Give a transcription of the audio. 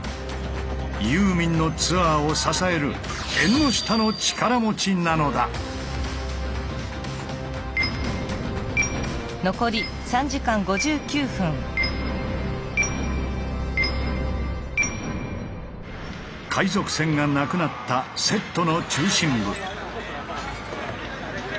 ユーミンのツアーを支える海賊船がなくなったセットの中心部。